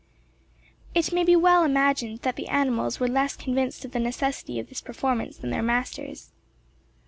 It may well be imagined that the animals were less convinced of the necessity of this performance than their masters.